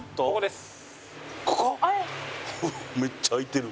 ここ？